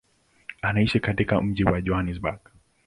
Anaishi katika mji wa Johannesburg.